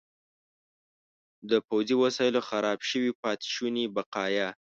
د پوځي وسایلو خراب شوي پاتې شوني بقایا.